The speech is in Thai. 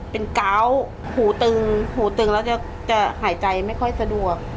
เป็นก้าวหูตึงหูตึงแล้วจะหายใจไม่ค่อยสะดวก